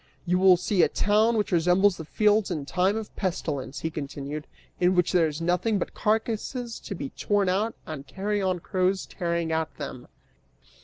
You will see a town which resembles the fields in time of pestilence," he continued, "in which there is nothing but carcasses to be torn at and carrion crows tearing at them."